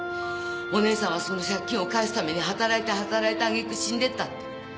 お姉さんはその借金を返すために働いて働いたあげく死んでいったって。